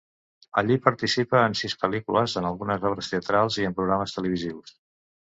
Allí participa en sis pel·lícules, en algunes obres teatrals i en programes televisius.